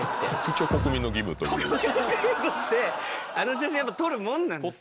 一応。国民としてあの写真やっぱ撮るもんなんですね。